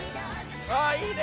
あぁいいね